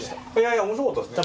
いや面白かったですよ